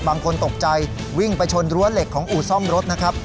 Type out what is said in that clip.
บางคนตกใจวิ่งไปชนรั้วเหล็กของอู่ซ่อมรถนะครับ